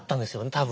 多分。